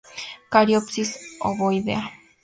Cariopsis ovoidea.